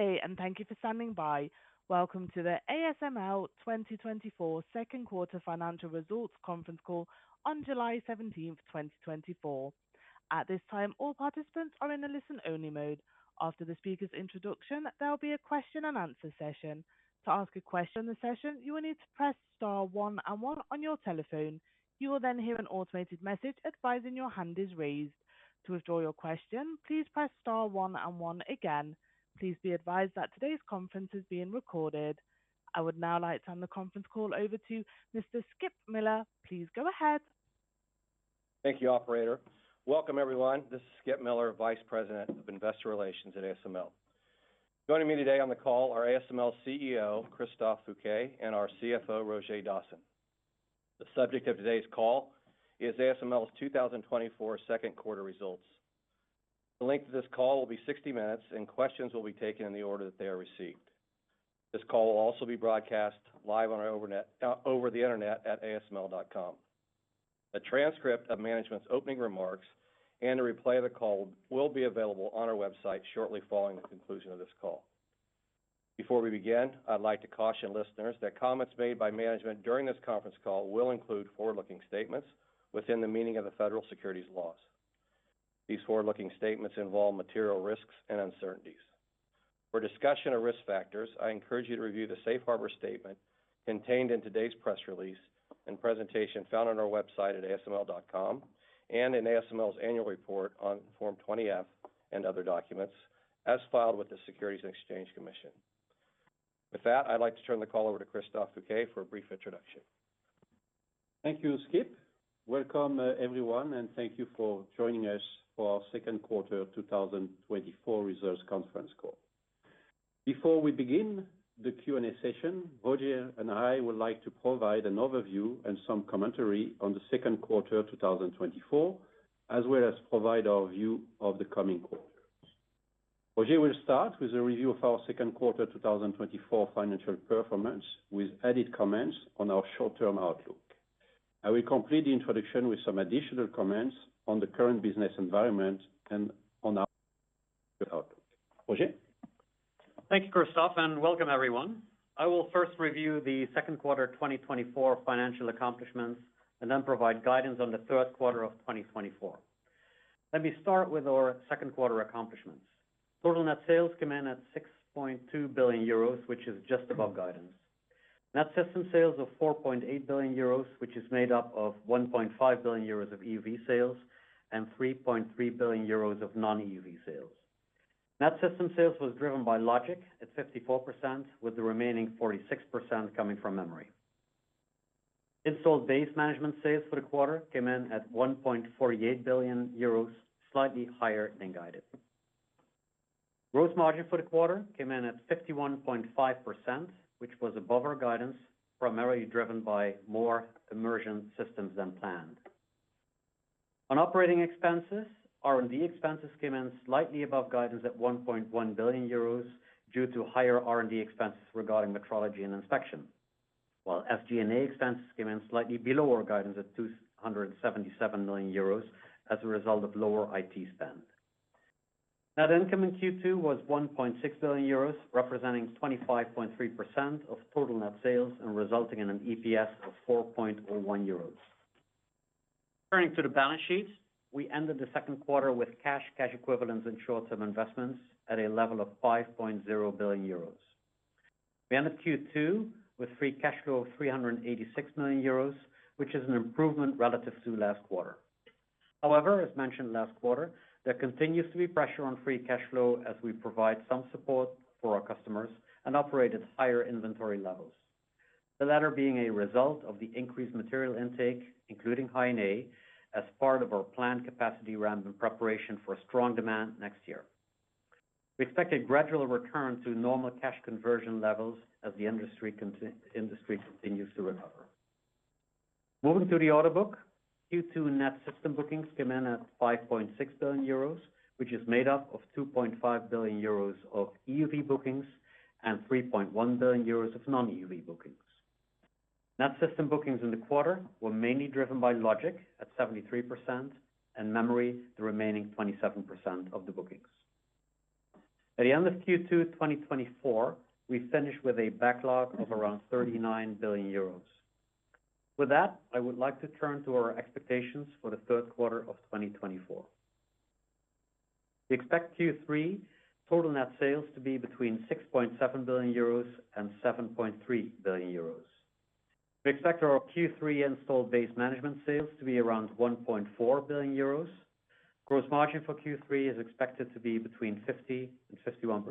Good day, and thank you for standing by. Welcome to the ASML 2024 second quarter financial results conference call on July 17th, 2024. At this time, all participants are in a listen-only mode. After the speaker's introduction, there will be a question-and-answer session. To ask a question in the session, you will need to press star one and one on your telephone. You will then hear an automated message advising your hand is raised. To withdraw your question, please press star one and one again. Please be advised that today's conference is being recorded. I would now like to turn the conference call over to Mr. Skip Miller. Please go ahead. Thank you, operator. Welcome, everyone. This is Skip Miller, Vice President of Investor Relations at ASML. Joining me today on the call are ASML's CEO, Christophe Fouquet, and our CFO, Roger Dassen. The subject of today's call is ASML's 2024 second quarter results. The length of this call will be 60 minutes, and questions will be taken in the order that they are received. This call will also be broadcast live on our over the net, over the internet at asml.com. A transcript of management's opening remarks and a replay of the call will be available on our website shortly following the conclusion of this call. Before we begin, I'd like to caution listeners that comments made by management during this conference call will include forward-looking statements within the meaning of the federal securities laws. These forward-looking statements involve material risks and uncertainties. For discussion of risk factors, I encourage you to review the safe harbor statement contained in today's press release and presentation found on our website at asml.com, and in ASML's annual report on Form 20-F and other documents, as filed with the Securities and Exchange Commission. With that, I'd like to turn the call over to Christophe Fouquet for a brief introduction. Thank you, Skip. Welcome, everyone, and thank you for joining us for our second quarter 2024 results conference call. Before we begin the Q&A session, Roger and I would like to provide an overview and some commentary on the second quarter of 2024, as well as provide our view of the coming quarters. Roger will start with a review of our second quarter, 2024 financial performance, with added comments on our short-term outlook. I will complete the introduction with some additional comments on the current business environment and on our outlook. Roger? Thank you, Christophe, and welcome everyone. I will first review the second quarter 2024 financial accomplishments, and then provide guidance on the third quarter of 2024. Let me start with our second quarter accomplishments. Total net sales came in at 6.2 billion euros, which is just above guidance. Net system sales of 4.8 billion euros, which is made up of 1.5 billion euros of EUV sales and 3.3 billion euros of non-EUV sales. Net system sales was driven by Logic at 54%, with the remaining 46% coming from Memory. Installed Base management sales for the quarter came in at 1.48 billion euros, slightly higher than guided. Gross margin for the quarter came in at 51.5%, which was above our guidance, primarily driven by more immersion systems than planned. On operating expenses, R&D expenses came in slightly above guidance at 1.1 billion euros due to higher R&D expenses regarding metrology and inspection, while SG&A expenses came in slightly below our guidance at 277 million euros as a result of lower IT spend. Net income in Q2 was 1.6 billion euros, representing 25.3% of total net sales and resulting in an EPS of 4.01 euros. Turning to the balance sheet, we ended the second quarter with cash, cash equivalents, and short-term investments at a level of 5.0 billion euros. We ended Q2 with free cash flow of 386 million euros, which is an improvement relative to last quarter. However, as mentioned last quarter, there continues to be pressure on free cash flow as we provide some support for our customers and operate at higher inventory levels. The latter being a result of the increased material intake, including High NA, as part of our planned capacity ramp in preparation for strong demand next year. We expect a gradual return to normal cash conversion levels as the industry continues to recover. Moving to the order book, Q2 net system bookings came in at 5.6 billion euros, which is made up of 2.5 billion euros of EUV bookings and 3.1 billion euros of non-EUV bookings. Net system bookings in the quarter were mainly driven by Logic, at 73%, and Memory, the remaining 27% of the bookings. At the end of Q2 2024, we finished with a backlog of around 39 billion euros. With that, I would like to turn to our expectations for the third quarter of 2024. We expect Q3 total net sales to be between 6.7 billion euros and 7.3 billion euros. We expect our Q3 Installed Base management sales to be around 1.4 billion euros. Gross margin for Q3 is expected to be between 50% and 51%.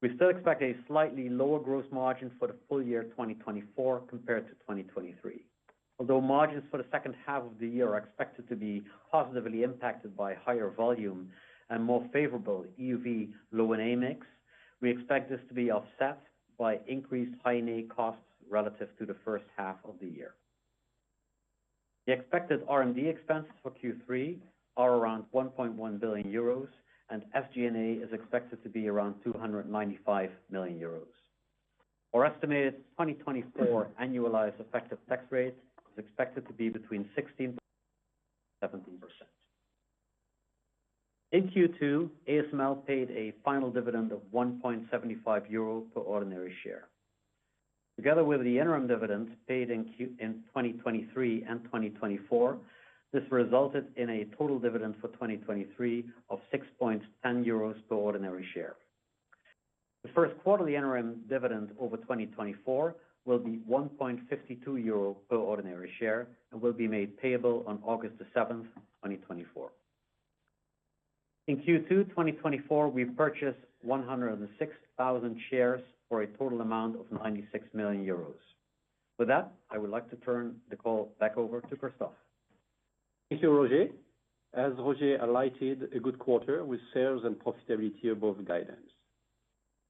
We still expect a slightly lower gross margin for the full year 2024 compared to 2023. Although margins for the second half of the year are expected to be positively impacted by higher volume and more favorable EUV Low-NA mix, we expect this to be offset by increased High NA costs relative to the first half of the year. The expected R&D expenses for Q3 are around 1.1 billion euros, and SG&A is expected to be around 295 million euros. Our estimated 2024 annualized effective tax rate is expected to be between 16%-17%. In Q2, ASML paid a final dividend of 1.75 euro per ordinary share. Together with the interim dividend paid in Q1 in 2023 and 2024, this resulted in a total dividend for 2023 of 6.10 euros per ordinary share. The first quarterly interim dividend over 2024 will be 1.52 euro per ordinary share, and will be made payable on August 7th, 2024. In Q2 2024, we purchased 106,000 shares for a total amount of 96 million euros. With that, I would like to turn the call back over to Christophe. Thank you, Roger. As Roger highlighted, a good quarter with sales and profitability above guidance.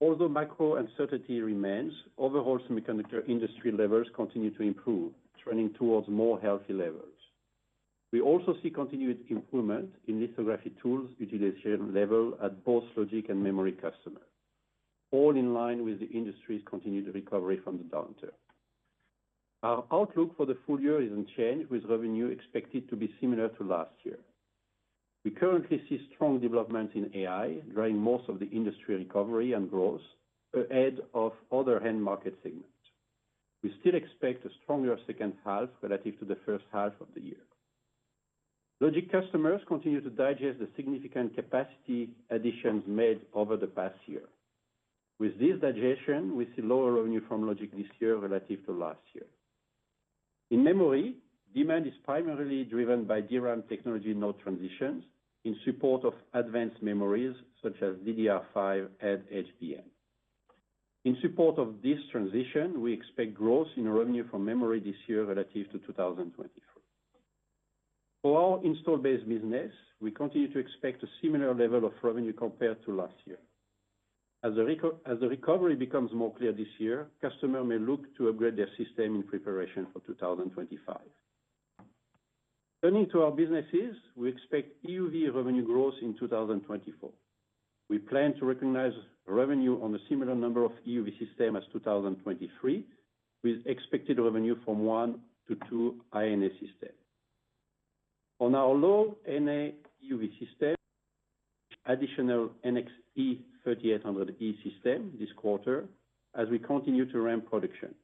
Although macro uncertainty remains, overall semiconductor industry levels continue to improve, trending towards more healthy levels. We also see continued improvement in lithography tools utilization level at both Logic and Memory customers, all in line with the industry's continued recovery from the downturn. Our outlook for the full year is unchanged, with revenue expected to be similar to last year. We currently see strong development in AI, driving most of the industry recovery and growth ahead of other end market segments. We still expect a stronger second half relative to the first half of the year. Logic customers continue to digest the significant capacity additions made over the past year. With this digestion, we see lower revenue from Logic this year relative to last year. In Memory, demand is primarily driven by DRAM technology node transitions in support of advanced memories such as DDR5 and HBM. In support of this transition, we expect growth in revenue from Memory this year relative to 2024. For our Installed Base business, we continue to expect a similar level of revenue compared to last year. As the recovery becomes more clear this year, customers may look to upgrade their system in preparation for 2025. Turning to our businesses, we expect EUV revenue growth in 2024. We plan to recognize revenue on a similar number of EUV systems as 2023, with expected revenue from one to two High-NA systems. On our Low-NA EUV system, additional NXE:3800E systems this quarter, as we continue to ramp production.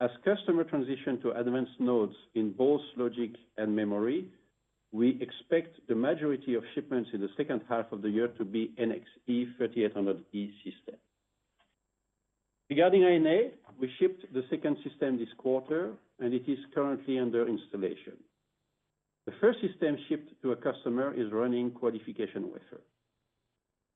As customers transition to advanced nodes in both Logic and Memory, we expect the majority of shipments in the second half of the year to be NXE:3800E systems. Regarding High NA, we shipped the second system this quarter, and it is currently under installation. The first system shipped to a customer is running qualification wafer.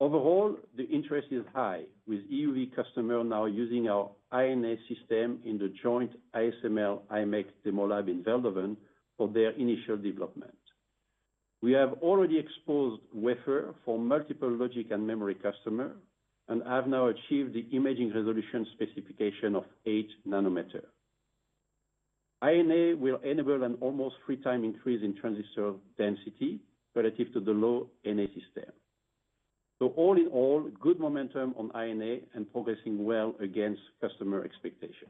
Overall, the interest is high, with EUV customer now using our High NA system in the joint ASML-imec demo lab in Veldhoven for their initial development. We have already exposed wafer for multiple Logic and Memory customer, and have now achieved the imaging resolution specification of 8 nm. High NA will enable an almost three-time increase in transistor density relative to the Low NA system. So all in all, good momentum on High NA and progressing well against customer expectation.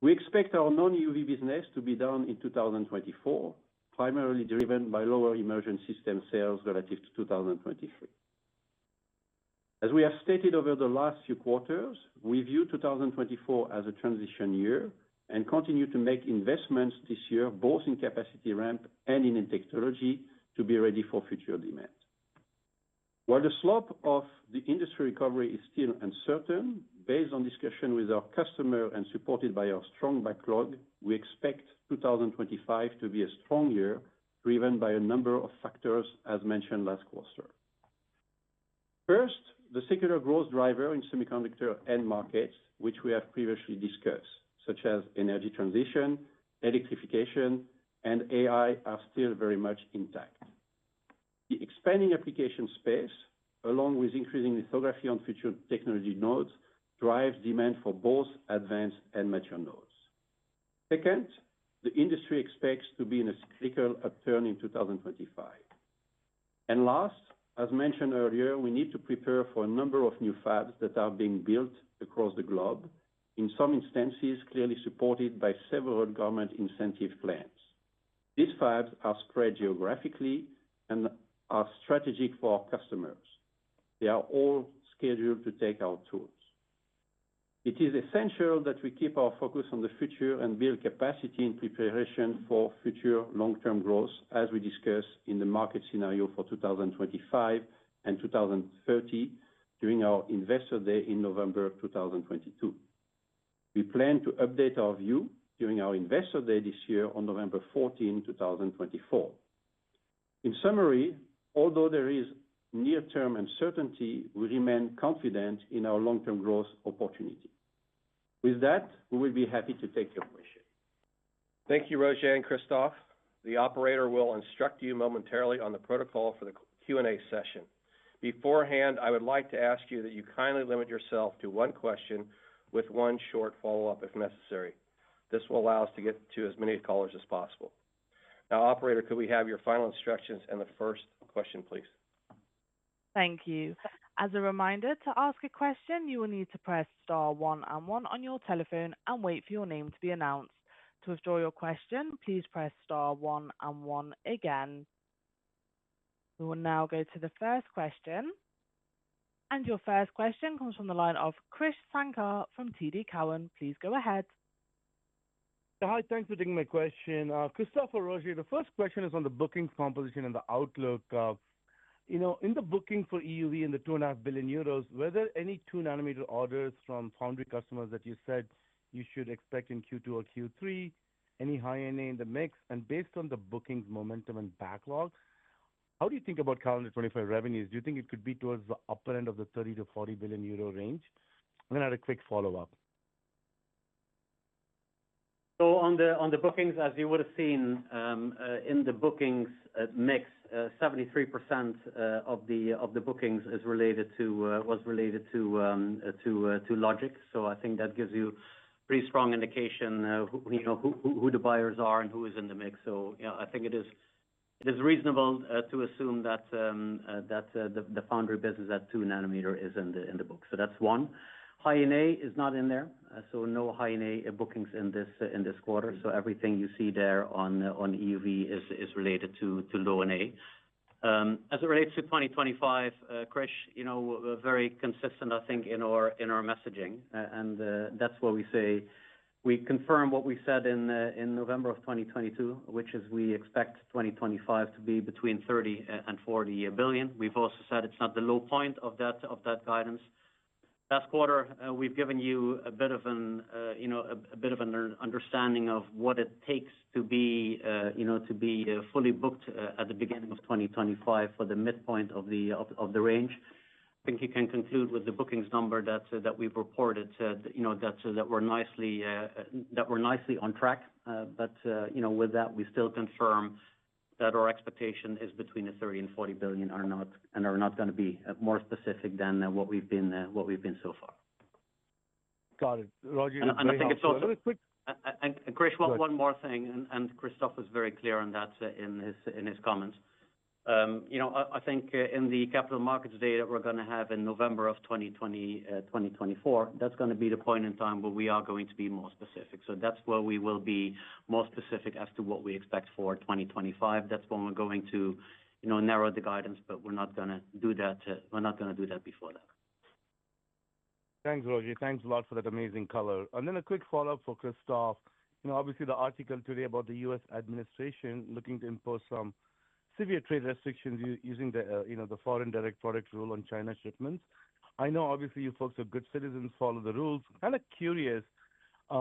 We expect our non-EUV business to be down in 2024, primarily driven by lower immersion system sales relative to 2023. As we have stated over the last few quarters, we view 2024 as a transition year and continue to make investments this year, both in capacity ramp and in technology, to be ready for future demand. While the slope of the industry recovery is still uncertain, based on discussion with our customer and supported by our strong backlog, we expect 2025 to be a strong year, driven by a number of factors, as mentioned last quarter. First, the secular growth driver in semiconductor end markets, which we have previously discussed, such as energy transition, electrification, and AI, are still very much intact. The expanding application space, along with increasing lithography on future technology nodes, drives demand for both advanced and mature nodes. Second, the industry expects to be in a cyclical upturn in 2025. And last, as mentioned earlier, we need to prepare for a number of new fabs that are being built across the globe, in some instances, clearly supported by several government incentive plans. These fabs are spread geographically and are strategic for our customers. They are all scheduled to take our tools. It is essential that we keep our focus on the future and build capacity in preparation for future long-term growth, as we discussed in the market scenario for 2025 and 2030 during our Investor Day in November of 2022. We plan to update our view during our Investor Day this year on November 14, 2024. In summary, although there is near-term uncertainty, we remain confident in our long-term growth opportunity. With that, we will be happy to take your questions. Thank you, Roger and Christophe. The operator will instruct you momentarily on the protocol for the Q&A session. Beforehand, I would like to ask you that you kindly limit yourself to one question with one short follow-up, if necessary. This will allow us to get to as many callers as possible. Now, operator, could we have your final instructions and the first question, please? Thank you. As a reminder, to ask a question, you will need to press star one and one on your telephone and wait for your name to be announced. To withdraw your question, please press star one and one again. We will now go to the first question. Your first question comes from the line of Krish Sankar from TD Cowen. Please go ahead. Hi, thanks for taking my question. Christophe and Roger, the first question is on the booking composition and the outlook of, you know, in the booking for EUV, in the 2.5 billion euros, were there any 2-nm orders from foundry customers that you said you should expect in Q2 or Q3? Any High NA in the mix? And based on the bookings, momentum, and backlog, how do you think about calendar 2025 revenues? Do you think it could be towards the upper end of the 30 billion-40 billion euro range? I'm going to add a quick follow-up. So on the bookings, as you would have seen, in the bookings mix, 73% of the bookings is related to—was related to, to Logic. So I think that gives you pretty strong indication, who, you know, who the buyers are and who is in the mix. So yeah, I think it is reasonable to assume that the foundry business at 2 nm is in the book. So that's one. High NA is not in there, so no High NA bookings in this quarter. So everything you see there on EUV is related to Low NA. As it relates to 2025, Krish, you know, we're very consistent, I think, in our messaging, and that's why we say we confirm what we said in the-- in November of 2022, which is we expect 2025 to be between 30 billion and 40 billion. We've also said it's not the low point of that, of that guidance. Last quarter, we've given you a bit of an understanding of what it takes to be, you know, to be fully booked at the beginning of 2025 for the midpoint of the range. I think you can conclude with the bookings number that we've reported to, you know, that we're nicely on track. But, you know, with that, we still confirm that our expectation is between 30 billion and 40 billion are not, and are not going to be more specific than what we've been, what we've been so far. Got it. Roger. I think it's also- Quick. Krish, one more thing, and Christophe is very clear on that in his comments. You know, I think in the Capital Markets Day that we're going to have in November of 2024, that's going to be the point in time where we are going to be more specific. So that's where we will be more specific as to what we expect for 2025. That's when we're going to, you know, narrow the guidance, but we're not going to do that, we're not going to do that before that. Thanks, Roger. Thanks a lot for that amazing color. And then a quick follow-up for Christophe. You know, obviously, the article today about the U.S. administration looking to impose some severe trade restrictions using the, you know, the Foreign Direct Product Rule on China shipments. I know obviously, you folks are good citizens, follow the rules. Kind of curious,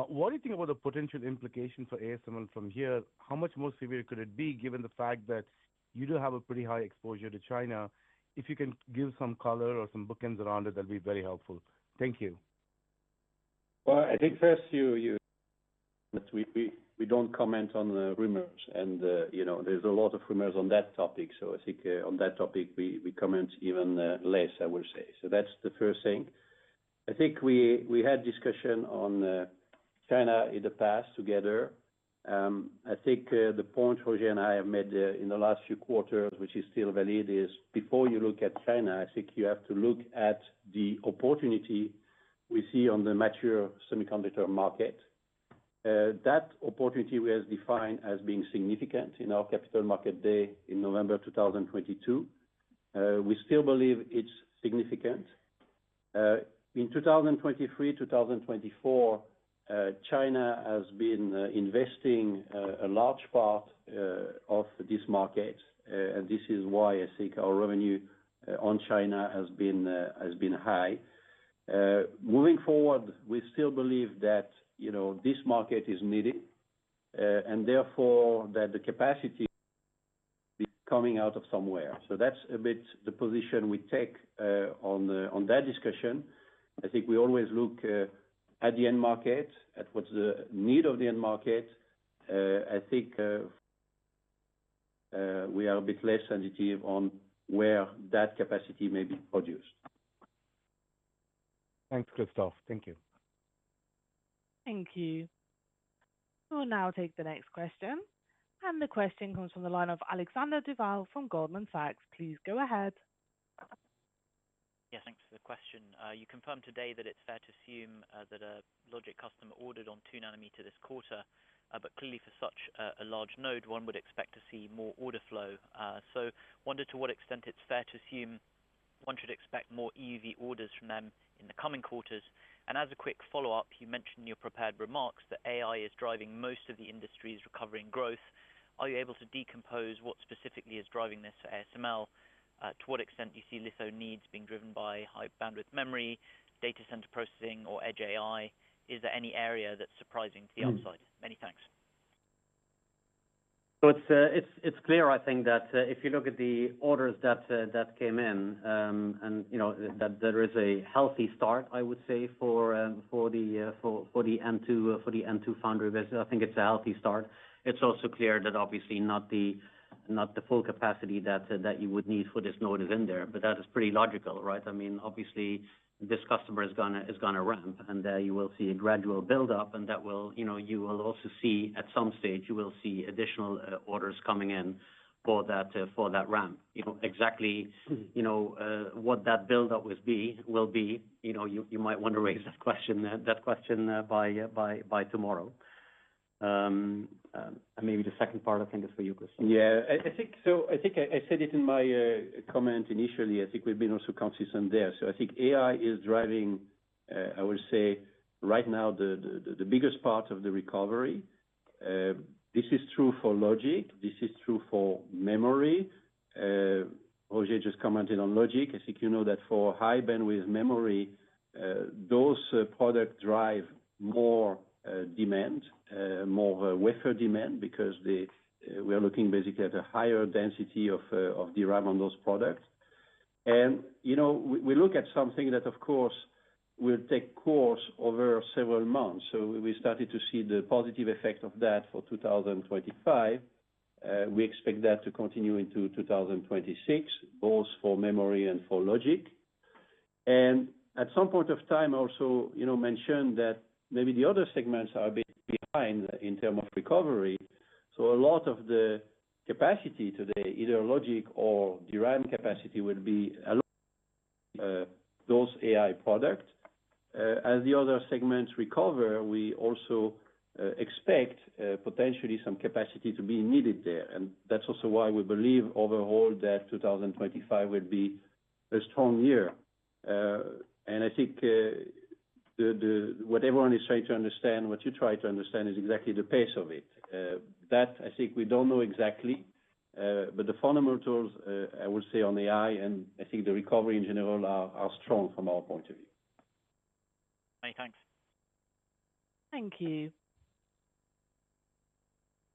what do you think about the potential implications for ASML from here? How much more severe could it be, given the fact that you do have a pretty high exposure to China? If you can give some color or some bookends around it, that'd be very helpful. Thank you. Well, I think first, We don't comment on the rumors, and, you know, there's a lot of rumors on that topic. So I think on that topic, we comment even less, I would say. So that's the first thing. I think we had discussion on China in the past together. I think the point Roger and I have made in the last few quarters, which is still valid, is before you look at China, I think you have to look at the opportunity we see on the mature semiconductor market. That opportunity we have defined as being significant in our capital market day in November of 2022. We still believe it's significant. In 2023, 2024, China has been investing a large part of this market, and this is why I think our revenue on China has been high. Moving forward, we still believe that, you know, this market is needed, and therefore, that the capacity is coming out of somewhere. So that's a bit the position we take on that discussion. I think we always look at the end market, at what's the need of the end market. I think we are a bit less sensitive on where that capacity may be produced. Thanks, Christophe. Thank you. Thank you. We'll now take the next question, and the question comes from the line of Alexander Duval from Goldman Sachs. Please go ahead. Yes, thanks for the question. You confirmed today that it's fair to assume that a Logic customer ordered on 2 nm this quarter, but clearly, for such a large node, one would expect to see more order flow. So wondered to what extent it's fair to assume one should expect more EUV orders from them in the coming quarters. And as a quick follow-up, you mentioned in your prepared remarks that AI is driving most of the industry's recovering growth. Are you able to decompose what specifically is driving this for ASML? To what extent do you see litho needs being driven by high-bandwidth Memory, data center processing, or edge AI? Is there any area that's surprising to the upside? Many thanks. So it's clear, I think that if you look at the orders that came in, and you know, that there is a healthy start, I would say, for the N2, for the N2 foundry business. I think it's a healthy start. It's also clear that obviously not the full capacity that you would need for this node is in there, but that is pretty logical, right? I mean, obviously, this customer is gonna ramp, and you will see a gradual buildup, and that will... You know, you will also see, at some stage, you will see additional orders coming in for that, for that ramp. You know exactly, you know, what that buildup will be, you know, you might want to raise that question by tomorrow... And maybe the second part, I think, is for you, Christophe. Yeah, I think so. I think I said it in my comment initially. I think we've been also conscious on there. So I think AI is driving, I would say, right now, the biggest part of the recovery. This is true for Logic. This is true for Memory. Roger just commented on Logic. I think you know that for high bandwidth Memory, those products drive more demand, more wafer demand, because we are looking basically at a higher density of DRAM on those products. And, you know, we look at something that, of course, will take course over several months. So we started to see the positive effect of that for 2025. We expect that to continue into 2026, both for Memory and for Logic. At some point of time also, you know, mention that maybe the other segments are a bit behind in terms of recovery. So a lot of the capacity today, either Logic or DRAM capacity, will be a lot, those AI products. As the other segments recover, we also expect potentially some capacity to be needed there, and that's also why we believe overall that 2025 will be a strong year. And I think what everyone is trying to understand, what you try to understand, is exactly the pace of it. That I think we don't know exactly, but the fundamentals I would say on AI, and I think the recovery in general are strong from our point of view. Many thanks. Thank you.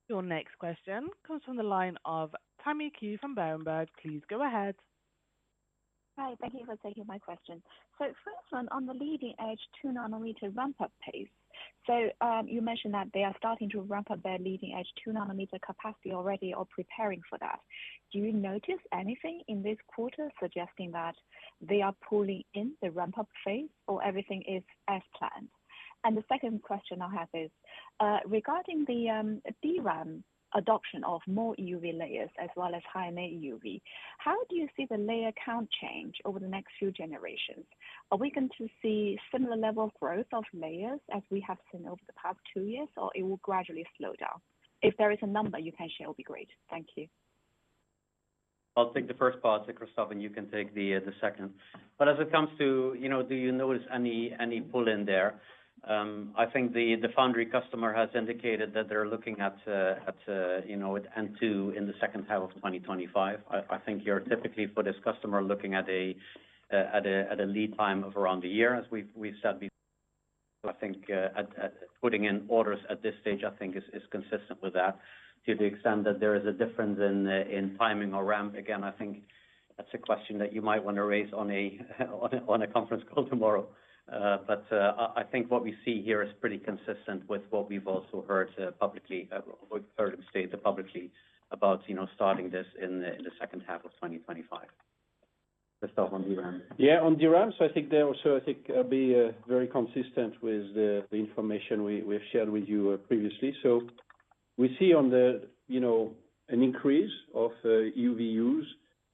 Your next question comes from the line of Tammy Qiu, from Berenberg. Please go ahead. Hi, thank you for taking my question. So first one, on the leading edge 2 nm ramp-up pace. So, you mentioned that they are starting to ramp up their leading edge 2 nm capacity already or preparing for that. Do you notice anything in this quarter suggesting that they are pulling in the ramp-up phase, or everything is as planned? And the second question I have is, regarding the DRAM adoption of more EUV layers as well as High NA EUV, how do you see the layer count change over the next few generations? Are we going to see similar level of growth of layers as we have seen over the past two years, or it will gradually slow down? If there is a number you can share, it will be great. Thank you. I'll take the first part, Christophe, and you can take the second. But as it comes to, you know, do you notice any pull in there? I think the foundry customer has indicated that they're looking at, you know, at N2 in the second half of 2025. I think you're typically, for this customer, looking at a lead time of around a year, as we've said before. I think putting in orders at this stage is consistent with that. To the extent that there is a difference in timing or ramp, again, I think that's a question that you might want to raise on a conference call tomorrow. I think what we see here is pretty consistent with what we've also heard publicly or heard them state publicly about, you know, starting this in the second half of 2025. Christophe, on DRAM. Yeah, on DRAM. So I think there also, I think be very consistent with the information we've shared with you previously. So we see, you know, an increase of EUVs on every node.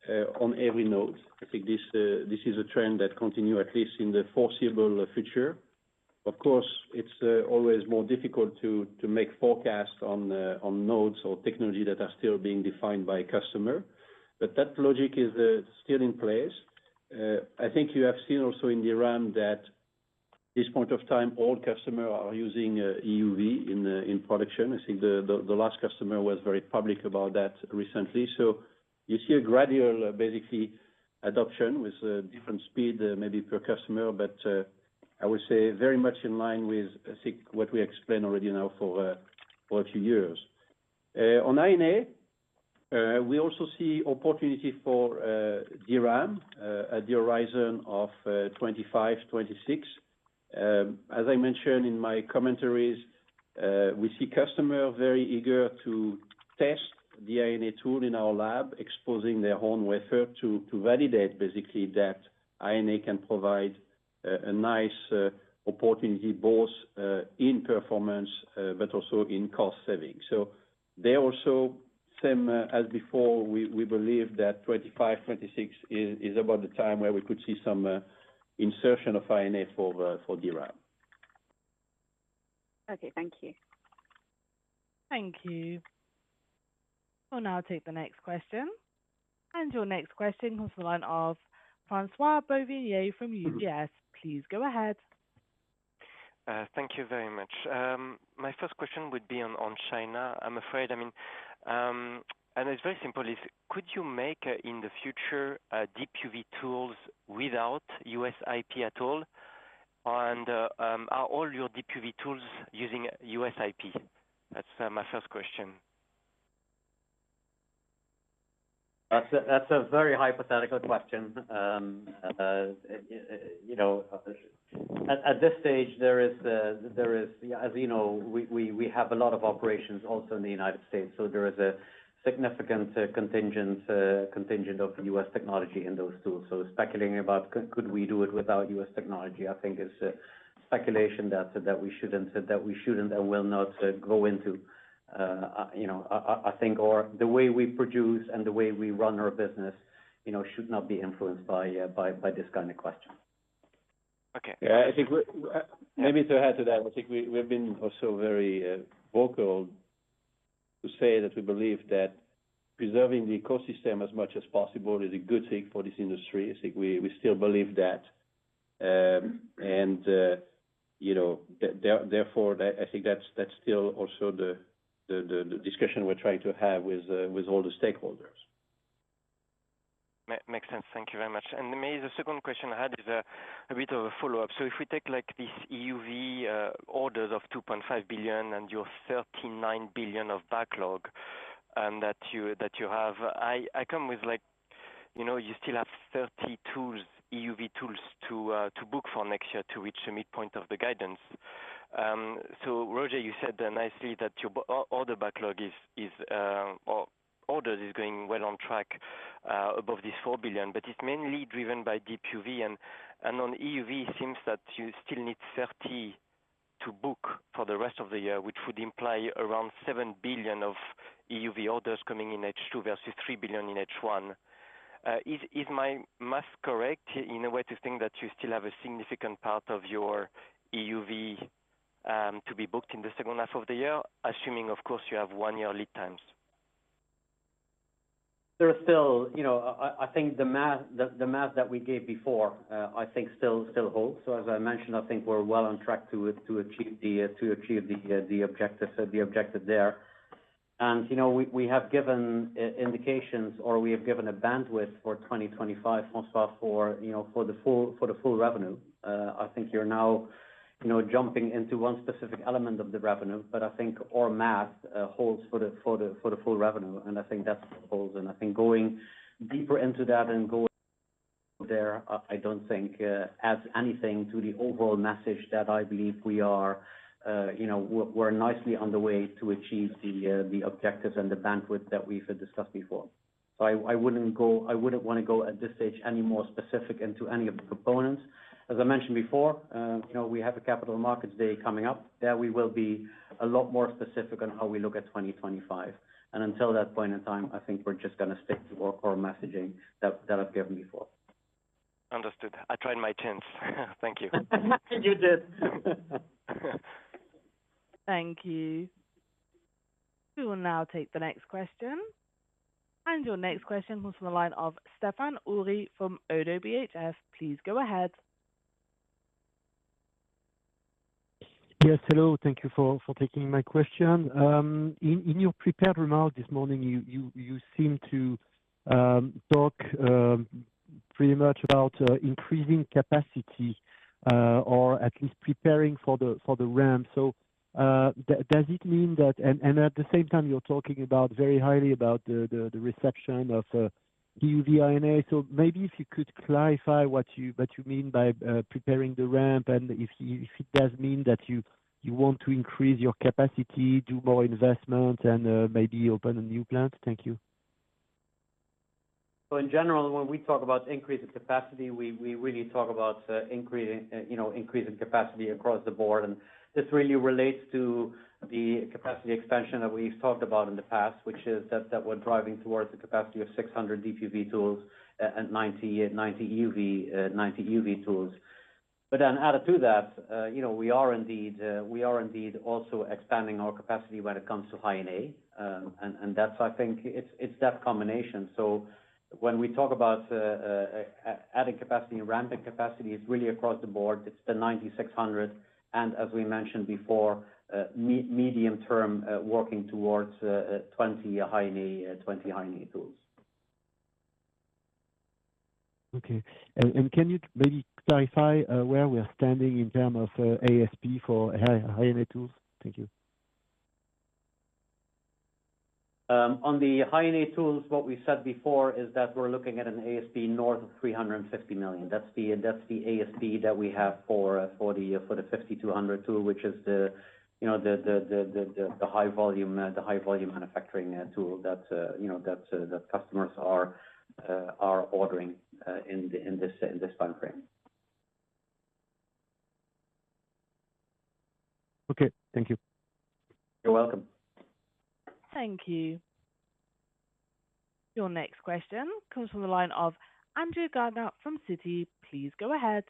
I think this, this is a trend that continue, at least in the foreseeable future. Of course, it's always more difficult to make forecasts on nodes or technology that are still being defined by customer, but that Logic is still in place. I think you have seen also in DRAM that this point of time, all customer are using EUV in production. I think the last customer was very public about that recently. So you see a gradual, basically, adoption with, different speed, maybe per customer, but, I would say very much in line with, I think, what we explained already now for, for a few years. On High-NA, we also see opportunity for, DRAM, at the horizon of, 2025, 2026. As I mentioned in my commentaries, we see customer very eager to test the High-NA tool in our lab, exposing their own wafer to validate basically that High-NA can provide a nice, opportunity, both, in performance, but also in cost savings. So there also, same as before, we believe that 2025, 2026 is about the time where we could see some, insertion of High-NA for the, for DRAM. Okay, thank you. Thank you. We'll now take the next question. Your next question comes from the line of François-Xavier Bouvignies from UBS. Please go ahead. Thank you very much. My first question would be on China. I'm afraid, I mean, and it's very simple. Could you make, in the future, EUV tools without U.S. IP at all? Are all your EUV tools using U.S. IP? That's my first question. That's a very hypothetical question. You know, at this stage, there is, as you know, we have a lot of operations also in the United States, so there is a significant contingent of U.S. technology in those tools. So speculating about could we do it without U.S. technology, I think is a speculation that we shouldn't and will not go into. You know, I think or the way we produce and the way we run our business should not be influenced by this kind of question. Yeah, I think we maybe to add to that, I think we've been also very vocal to say that we believe that preserving the ecosystem as much as possible is a good thing for this industry. I think we still believe that. And you know, therefore, that I think that's still also the discussion we're trying to have with all the stakeholders. Makes sense. Thank you very much. And maybe the second question I had is a bit of a follow-up. So if we take, like, this EUV orders of 2.5 billion and your 39 billion of backlog that you have, I come with, like, you know, you still have 30 tools, EUV tools to book for next year to reach the midpoint of the guidance. So Roger, you said nicely that your order backlog is or orders is going well on track above 4 billion, but it's mainly driven by DUV and on EUV, it seems that you still need 30 to book for the rest of the year, which would imply around 7 billion of EUV orders coming in H2 versus 3 billion in H1. Is my math correct, in a way to think that you still have a significant part of your EUV to be booked in the second half of the year, assuming, of course, you have one-year lead times? There are still... You know, I think the math, the math that we gave before, I think still holds. So as I mentioned, I think we're well on track to achieve the objectives there. And, you know, we have given indications, or we have given a bandwidth for 2025, François, for the full revenue. I think you're now jumping into one specific element of the revenue, but I think our math holds for the full revenue, and I think that holds. And I think going deeper into that and going there, I don't think adds anything to the overall message that I believe we are, you know, we're nicely on the way to achieve the objectives and the bandwidth that we've discussed before. So I wouldn't want to go, at this stage, any more specific into any of the components. As I mentioned before, you know, we have a Capital Markets Day coming up, there we will be a lot more specific on how we look at 2025. And until that point in time, I think we're just going to stick to our core messaging that I've given before. Understood. I tried my chance. Thank you. You did. Thank you. We will now take the next question. Your next question comes from the line of Stephane Houri from ODDO BHF. Please go ahead. Yes, hello, thank you for taking my question. In your prepared remarks this morning, you seemed to talk pretty much about increasing capacity or at least preparing for the ramp. So, does it mean that... And at the same time, you're talking very highly about the reception of EUV High-NA. So maybe if you could clarify what you mean by preparing the ramp, and if it does mean that you want to increase your capacity, do more investment, and maybe open a new plant? Thank you. So in general, when we talk about increase in capacity, we really talk about increasing, you know, increasing capacity across the board. And this really relates to the capacity expansion that we've talked about in the past, which is that we're driving towards a capacity of 600 DUV tools and 90 EUV tools. But then added to that, you know, we are indeed also expanding our capacity when it comes to High NA. And that's, I think, that combination. So when we talk about adding capacity and ramping capacity, it's really across the board. It's the 9,600, and as we mentioned before, medium term, working towards 20 High NA tools. Okay. And can you maybe clarify where we are standing in terms of ASP for High NA tools? Thank you. On the High NA tools, what we said before is that we're looking at an ASP north of 350 million. That's the ASP that we have for the 5200 tool, which is the, you know, the high volume manufacturing tool that you know, that customers are ordering in this time frame. Okay, thank you. You're welcome. Thank you. Your next question comes from the line of Andrew Gardiner from Citi. Please go ahead.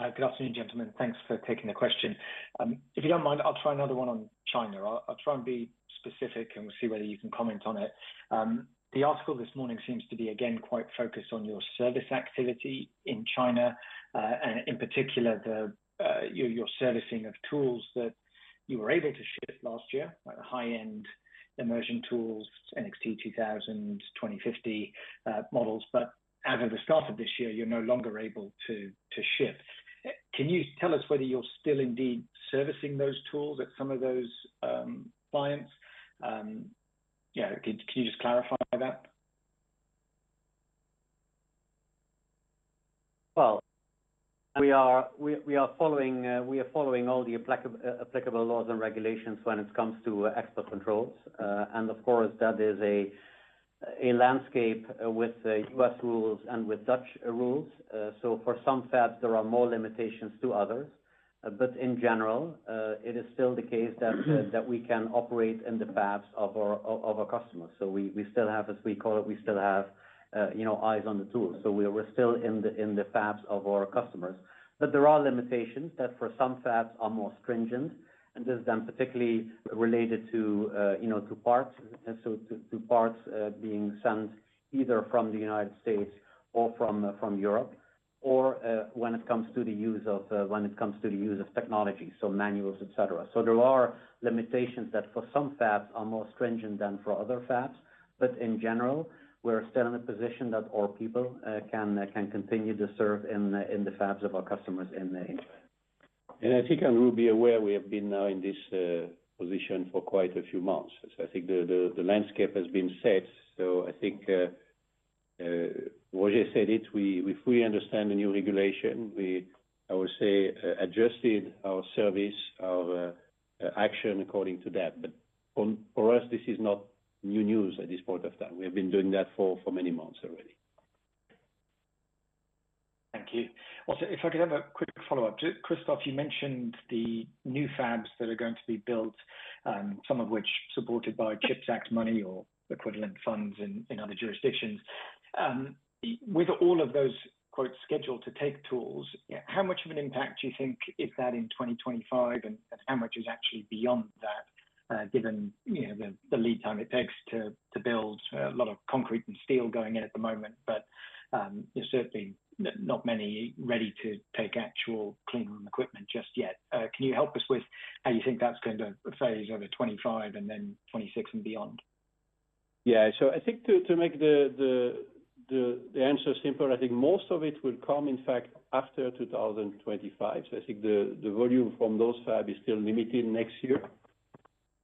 Good afternoon, gentlemen. Thanks for taking the question. If you don't mind, I'll try another one on China. I'll try and be specific, and we'll see whether you can comment on it. The article this morning seems to be, again, quite focused on your service activity in China, and in particular, your servicing of tools that you were able to ship last year, like the high-end immersion tools, NXT:2050 models. But as of the start of this year, you're no longer able to ship. Can you tell us whether you're still indeed servicing those tools at some of those clients? Yeah, can you just clarify that? Well, we are following all the applicable laws and regulations when it comes to export controls. And of course, that is a landscape with U.S. rules and with Dutch rules. So for some fabs, there are more limitations to others. But in general, it is still the case that we can operate in the fabs of our customers. So we still have, as we call it, we still have, you know, eyes on the tool. So we're still in the fabs of our customers. There are limitations that for some fabs are more stringent, and this is then particularly related to, you know, to parts, and so to parts being sent either from the United States or from Europe, or when it comes to the use of technology, so manuals, et cetera. There are limitations that for some fabs are more stringent than for other fabs, but in general, we're still in a position that our people can continue to serve in the fabs of our customers in the- I think I will be aware, we have been now in this position for quite a few months. I think the landscape has been set. I think Roger said it, we fully understand the new regulation. We, I would say, adjusted our service, our action according to that. But for us, this is not new news at this point of time. We have been doing that for many months already. Thank you. Also, if I could have a quick follow-up. Christophe, you mentioned the new fabs that are going to be built, some of which supported by CHIPS Act money or equivalent funds in other jurisdictions. With all of those, quote, "scheduled to take tools," how much of an impact do you think is that in 2025, and how much is actually beyond that, given, you know, the lead time it takes to build a lot of concrete and steel going in at the moment? But, there's certainly not many ready to take actual clean room equipment just yet. Can you help us with how you think that's going to phase over 2025 and then 2026 and beyond? Yeah. So I think to make the answer simpler, I think most of it will come, in fact, after 2025. So I think the volume from those fabs is still limited next year.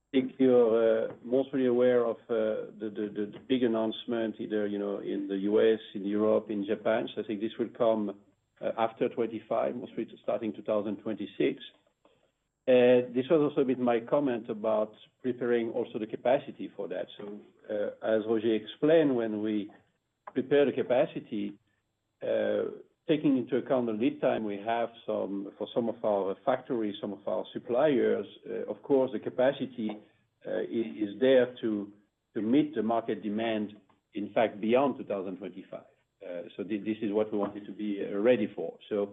I think you're mostly aware of the big announcement, either, you know, in the U.S., in Europe, in Japan. So I think this will come after 2025, mostly starting 2026. This was also a bit my comment about preparing also the capacity for that. So, as Roger explained, when we prepare the capacity, taking into account the lead time, we have some for some of our factories, some of our suppliers, of course, the capacity is there to meet the market demand, in fact, beyond 2025. So this, this is what we wanted to be ready for. So,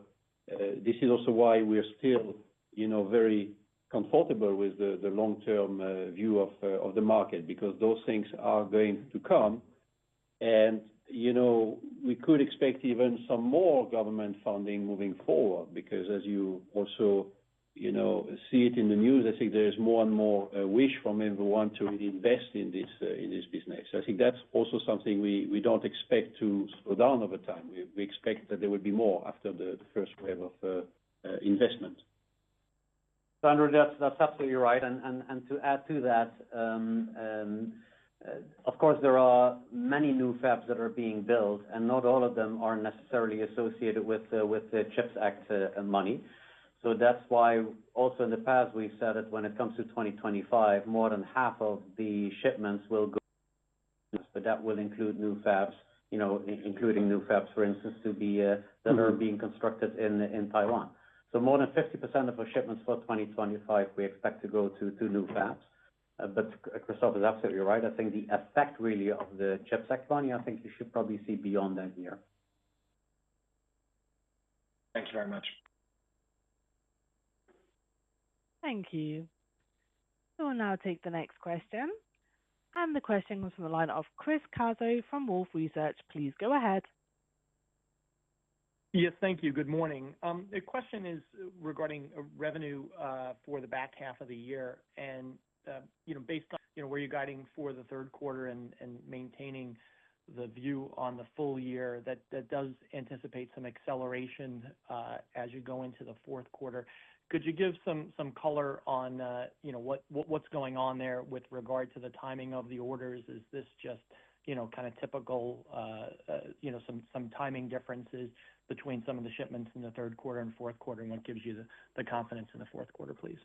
this is also why we are still, you know, very comfortable with the, the long-term view of, of the market, because those things are going to come. And, you know, we could expect even some more government funding moving forward, because as you also, you know, see it in the news, I think there is more and more wish from everyone to invest in this, in this business. So I think that's also something we, we don't expect to slow down over time. We, we expect that there will be more after the, the first wave of investment. Andrew, that's absolutely right. And to add to that, of course, there are many new fabs that are being built, and not all of them are necessarily associated with the CHIPS Act money. So that's why also in the past, we've said it, when it comes to 2025, more than half of the shipments will go- But that will include new fabs, you know, including new fabs, for instance, to be that are being constructed in Taiwan. So more than 50% of our shipments for 2025, we expect to go to new fabs. But Christophe is absolutely right. I think the effect, really, of the CHIPS Act money, I think you should probably see beyond that year. Thanks very much. Thank you. We'll now take the next question. The question comes from the line of Chris Caso from Wolfe Research. Please go ahead. Yes, thank you. Good morning. The question is regarding revenue for the back half of the year. And you know, based on you know, where you're guiding for the third quarter and maintaining the view on the full year, that does anticipate some acceleration as you go into the fourth quarter. Could you give some color on you know, what's going on there with regard to the timing of the orders? Is this just you know, kind of typical you know, some timing differences between some of the shipments in the third quarter and fourth quarter, and what gives you the confidence in the fourth quarter, please?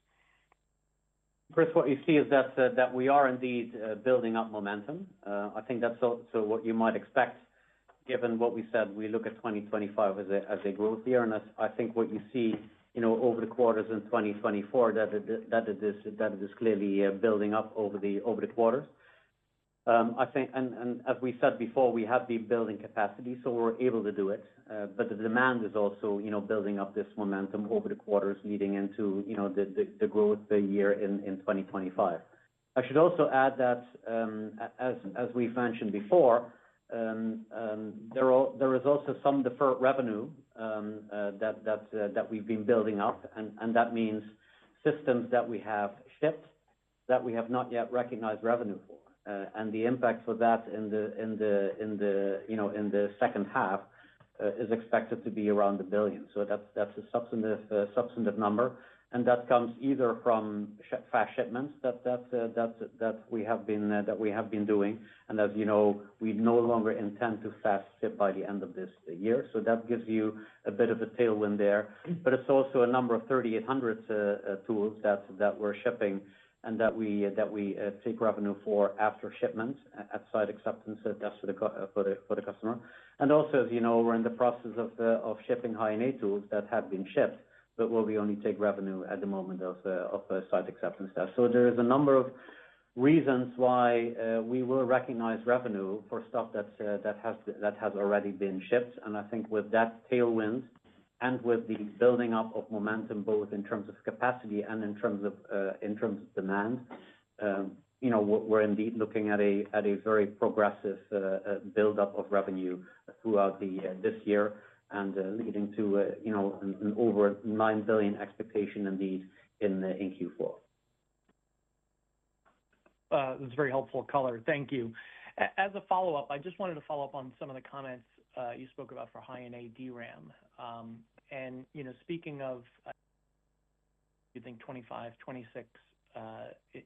Chris, what you see is that that we are indeed building up momentum. I think that's also what you might expect, given what we said, we look at 2025 as a growth year. And I think what you see, you know, over the quarters in 2024, that it is clearly building up over the quarters. I think and as we said before, we have been building capacity, so we're able to do it. But the demand is also, you know, building up this momentum over the quarters leading into, you know, the growth year in 2025. I should also add that, as we've mentioned before, there is also some deferred revenue, that we've been building up, and that means systems that we have shipped, that we have not yet recognized revenue for. And the impact for that in the, you know, in the second half, is expected to be around 1 billion. So that's a substantive number, and that comes either from fast shipments, that we have been doing. And as you know, we no longer intend to fast ship by the end of this year, so that gives you a bit of a tailwind there. But it's also a number of 3,800 tools that we're shipping and that we take revenue for after shipment, at site acceptance, that's for the customer. And also, as you know, we're in the process of shipping High-NA tools that have been shipped, but where we only take revenue at the moment of the site acceptance there. So there is a number of reasons why we will recognize revenue for stuff that has already been shipped. I think with that tailwind and with the building up of momentum, both in terms of capacity and in terms of demand, you know, we're indeed looking at a very progressive buildup of revenue throughout this year, and leading to, you know, an over 9 billion expectation indeed, in Q4. That's a very helpful color. Thank you. As a follow-up, I just wanted to follow up on some of the comments you spoke about for High NA DRAM. And, you know, speaking of, you think 2025, 2026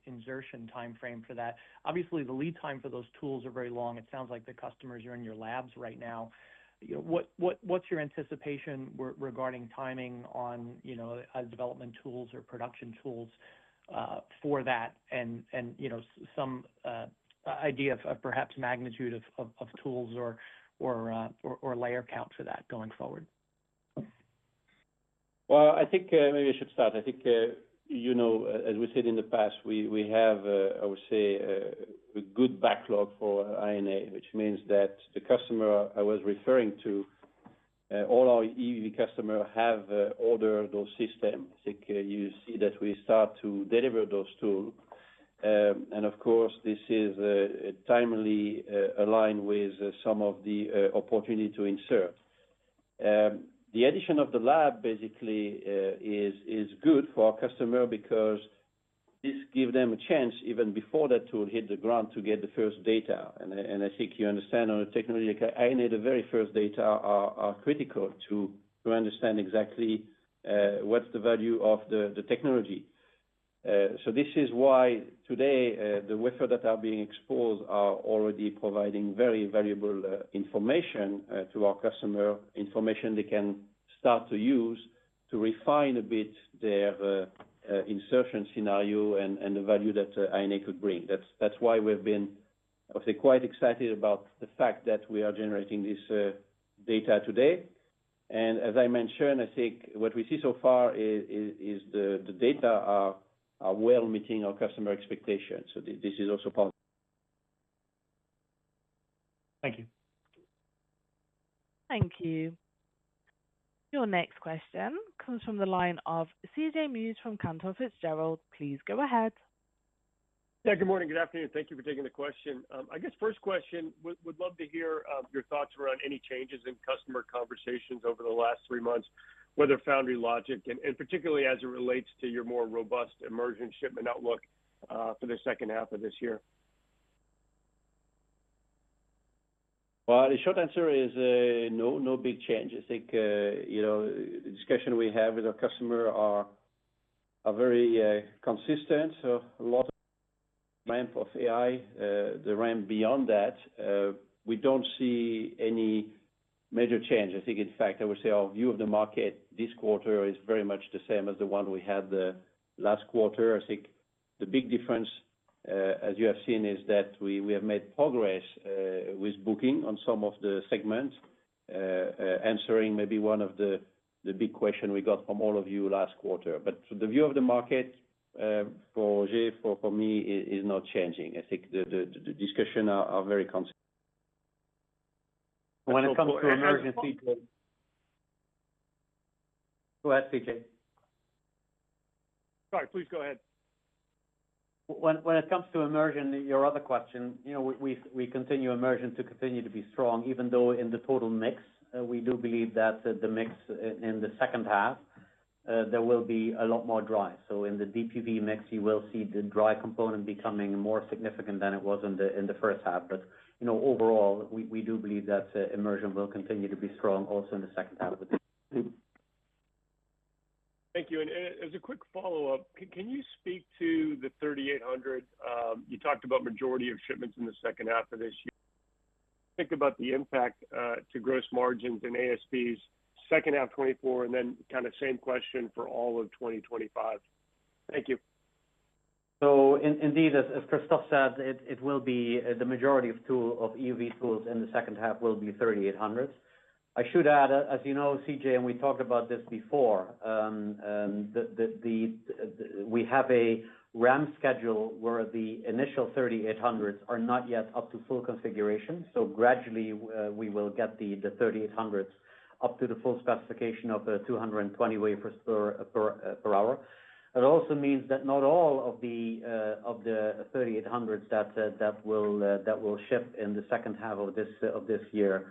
insertion timeframe for that, obviously, the lead time for those tools are very long. It sounds like the customers are in your labs right now. You know, what's your anticipation regarding timing on, you know, development tools or production tools for that? And, you know, some idea of perhaps magnitude of tools or layer count for that going forward. Well, I think, maybe I should start. I think, you know, as we said in the past, we, we have, I would say, a good backlog for High NA, which means that the customer I was referring to, all our EUV customer have, ordered those systems. I think you see that we start to deliver those tools, and of course, this is, timely, aligned with some of the, opportunity to insert. The addition of the lab basically, is good for our customer because this give them a chance, even before that tool hit the ground, to get the first data. And I think you understand on a technology, like, I need the very first data are critical to understand exactly, what's the value of the technology. So this is why today, the wafer that are being exposed are already providing very valuable information to our customer. Information they can start to use to refine a bit their insertion scenario and the value that High-NA could bring. That's why we've been, I would say, quite excited about the fact that we are generating this data today. And as I mentioned, I think what we see so far is the data are well meeting our customer expectations. So this is also part- Thank you. Thank you. Your next question comes from the line of CJ Muse from Cantor Fitzgerald. Please go ahead. Yeah, good morning. Good afternoon. Thank you for taking the question. I guess first question, would love to hear your thoughts around any changes in customer conversations over the last three months, whether foundry Logic, and particularly as it relates to your more robust immersion shipment outlook, for the second half of this year. Well, the short answer is, no, no big change. I think, you know, the discussion we have with our customer are very consistent. So a lot of ramp of AI, the ramp beyond that, we don't see any major change. I think, in fact, I would say our view of the market this quarter is very much the same as the one we had last quarter. I think the big difference, as you have seen, is that we have made progress with booking on some of the segments, answering maybe one of the big question we got from all of you last quarter. But the view of the market, for Jay, for me, is not changing. I think the discussion are very constant. When it comes to immersion, CJ- And, and- Go ahead, CJ. Sorry, please go ahead. When it comes to immersion, your other question, you know, we continue immersion to continue to be strong, even though in the total mix, we do believe that the mix in the second half there will be a lot more dry. So in the DUV mix, you will see the dry component becoming more significant than it was in the first half. But, you know, overall, we do believe that immersion will continue to be strong also in the second half of the year. Thank you. And as a quick follow-up, can you speak to the 3800? You talked about majority of shipments in the second half of this year. Think about the impact to gross margins and ASPs, second half 2024, and then kind of same question for all of 2025. Thank you. So indeed, as Christophe said, it will be the majority of tools of EUV tools in the second half will be 3800s. I should add, as you know, CJ, and we talked about this before, we have a ramp schedule where the initial 3800s are not yet up to full configuration. So gradually, we will get the 3800s up to the full specification of 220 wafers per hour. It also means that not all of the 3800s that will ship in the second half of this year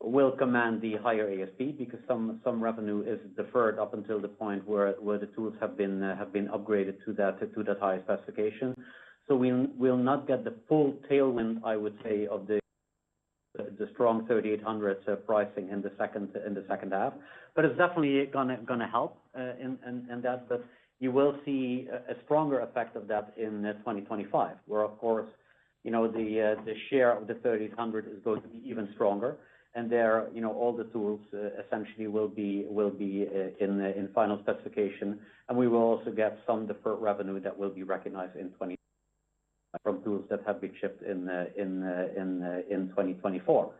will command the higher ASP, because some revenue is deferred up until the point where the tools have been upgraded to that higher specification. So we will not get the full tailwind, I would say, of the strong NXE:3800Es pricing in the second half, but it's definitely gonna help in that. But you will see a stronger effect of that in 2025, where, of course, you know, the share of the NXE:3800E is going to be even stronger. And there, you know, all the tools essentially will be in final specification, and we will also get some deferred revenue that will be recognized in 2024 from tools that have been shipped in 2024.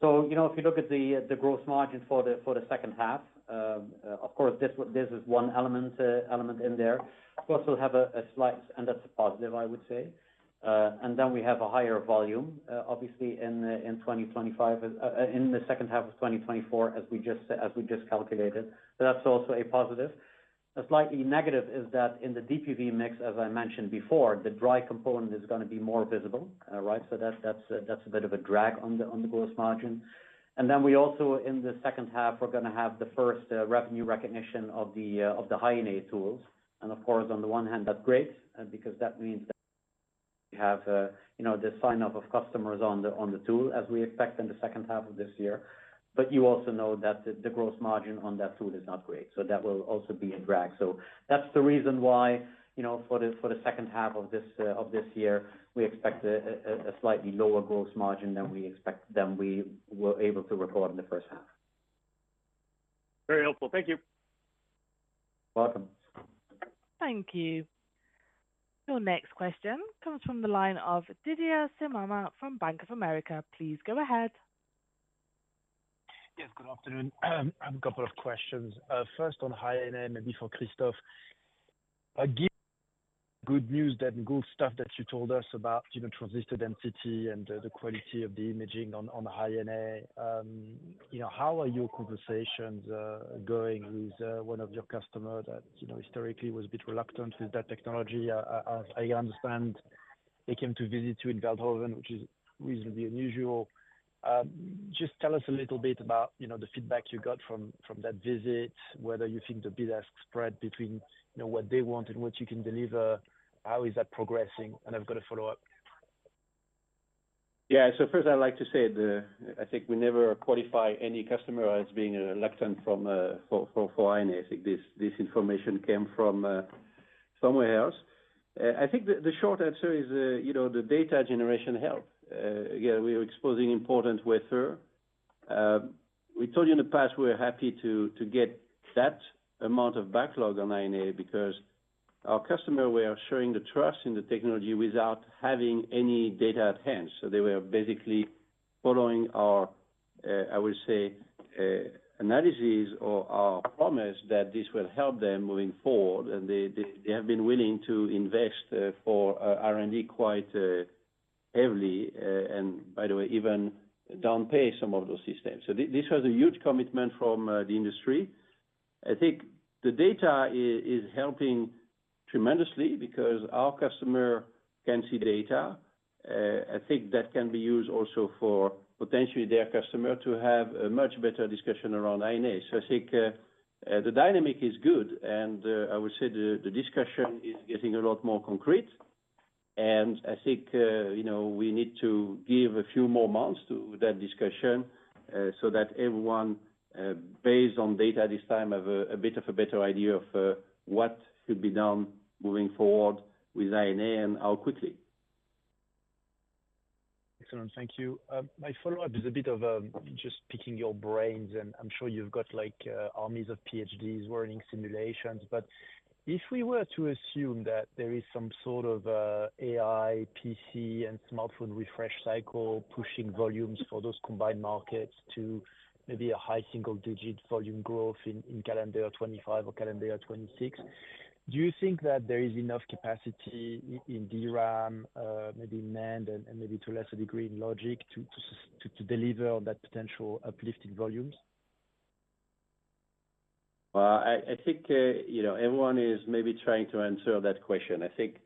So, you know, if you look at the gross margin for the second half, of course, this is one element in there. Of course, we'll have a slight, and that's a positive, I would say. And then we have a higher volume, obviously in 2025, in the second half of 2024, as we just calculated. So that's also a positive. A slightly negative is that in the DUV mix, as I mentioned before, the dry component is gonna be more visible, right? So that's a bit of a drag on the gross margin. And then we also, in the second half, we're gonna have the first revenue recognition of the High-NA tools. Of course, on the one hand, that's great, because that means that we have, you know, the sign-up of customers on the tool, as we expect in the second half of this year. But you also know that the gross margin on that tool is not great, so that will also be a drag. So that's the reason why, you know, for the second half of this year, we expect a slightly lower gross margin than we expect—than we were able to report in the first half. Very helpful. Thank you. Welcome. Thank you. Your next question comes from the line of Didier Scemama from Bank of America. Please go ahead. Yes, good afternoon. I have a couple of questions. First on High-NA, maybe for Christophe. Given good news, that good stuff that you told us about, you know, transistor density and the quality of the imaging on High-NA, you know, how are your conversations going with one of your customer that, you know, historically was a bit reluctant with that technology? As I understand, they came to visit you in Veldhoven, which is reasonably unusual. Just tell us a little bit about, you know, the feedback you got from that visit, whether you think the bid has spread between, you know, what they want and what you can deliver. How is that progressing? And I've got a follow-up. Yeah. So first, I'd like to say, I think we never qualify any customer as being reluctant for High-NA. I think this information came from somewhere else. I think the short answer is, you know, the data generation help. Again, we are exposing important wafer. We told you in the past, we're happy to get that amount of backlog on High-NA because our customer were showing the trust in the technology without having any data at hand. So they were basically following our, I would say, analysis or our promise that this will help them moving forward. And they have been willing to invest for R&D quite heavily, and by the way, even down pay some of those systems. So this was a huge commitment from the industry. I think the data is helping tremendously because our customer can see data. I think that can be used also for potentially their customer to have a much better discussion around High-NA. So I think the dynamic is good, and I would say the discussion is getting a lot more concrete. And I think, you know, we need to give a few more months to that discussion, so that everyone, based on data this time, have a bit of a better idea of what should be done moving forward with High-NA and how quickly. Excellent. Thank you. My follow-up is a bit of just picking your brains, and I'm sure you've got, like, armies of PhDs running simulations. But if we were to assume that there is some sort of AI, PC, and smartphone refresh cycle, pushing volumes for those combined markets to maybe a high single-digit volume growth in calendar 2025 or calendar 2026, do you think that there is enough capacity in DRAM, maybe NAND, and maybe to a lesser degree in Logic, to deliver on that potential uplifting volumes? Well, I think, you know, everyone is maybe trying to answer that question. I think